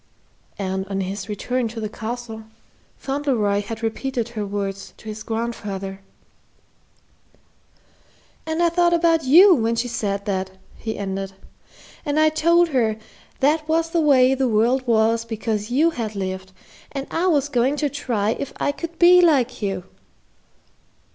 And on his return to the Castle, Fauntleroy had repeated her words to his grandfather. "And I thought about you when she said that," he ended; "and I told her that was the way the world was because you had lived, and I was going to try if I could be like you."